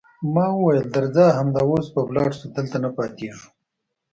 ما وویل: درځه، همدا اوس به ولاړ شو، دلته نه پاتېږو.